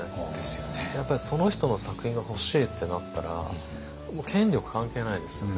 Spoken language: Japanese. やっぱりその人の作品が欲しいってなったらもう権力関係ないですよね。